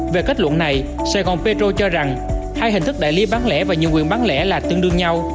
về kết luận này sài gòn petro cho rằng hai hình thức đại lý bán lẻ và nhiều quyền bán lẻ là tương đương nhau